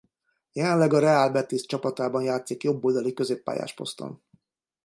Jelenleg a Real Betis csapatában játszik jobb oldali középpályás poszton.